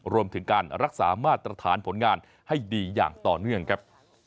รวมถึงการรักษามาตรฐานผลงานให้ดีอย่างต่อเนื่องครับ